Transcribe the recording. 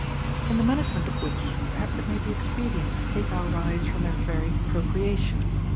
2. In the management of which, perhaps it may be ex pedient to take our rise from their very procreation.